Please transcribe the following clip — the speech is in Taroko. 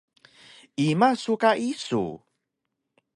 Ima su ka isu?